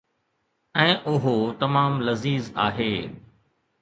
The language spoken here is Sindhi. ۽ اهو تمام لذيذ آهي.